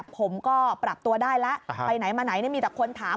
ผมก็ปรับตัวได้แล้วไปไหนมาไหนมีแต่คนถาม